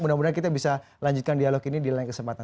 mudah mudahan kita bisa lanjutkan dialog ini di lain kesempatan